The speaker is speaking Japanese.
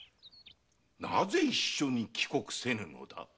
なぜ一緒に帰国せぬのだ？